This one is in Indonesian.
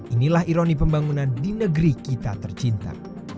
inilah ironi pembangunan di negeri kita tercinta